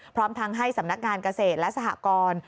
พร้อมทั้งให้สำนักงานเกษตรและสหกร